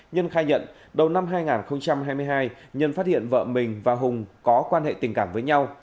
nhân khai nhận đầu năm hai nghìn hai mươi hai nhân phát hiện vợ mình và hùng có quan hệ tình cảm với nhau